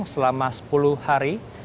selama sepuluh hari